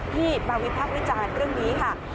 ที่มาวิพักวิจารณ์เรื่องนี้ค่ะ